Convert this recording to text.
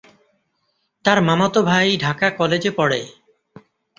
তার মামাতো ভাই ঢাকা কলেজে পড়ে।